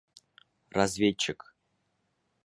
Разведчик